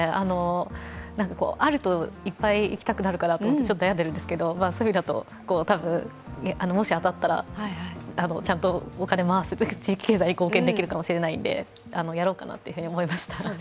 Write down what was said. あるといっぱい行きたくなるかなと思って悩んでますけどもし当たったらちゃんとお金回す、地域経済に貢献できるかもしれないのでやろうかなというふうに思いました。